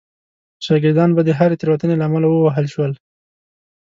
شاګردان به د هرې تېروتنې له امله ووهل شول.